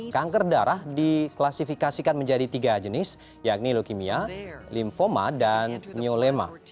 kanker darah diklasifikasikan menjadi tiga jenis yakni lokimia linfoma dan niolema